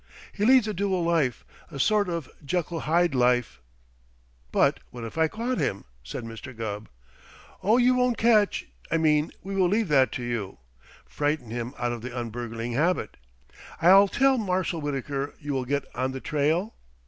He leads a dual life, a sort of Jekyll Hyde life " "But what if I caught him?" said Mr. Gubb. "Oh, you won't catch I mean, we will leave that to you. Frighten him out of the un burgling habit. I'll tell Marshal Wittaker you will get on the trail?"